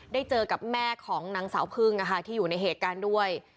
ได้เจอกับแม่ของนางสาวพึ่งที่อยู่ในเหตุการณ์ด้วย